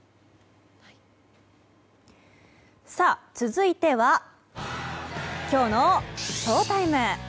続いてはきょうのＳＨＯＴＩＭＥ。